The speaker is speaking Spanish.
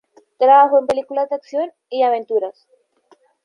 Trabajó en películas de acción y de aventuras.